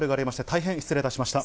大変失礼いたしました。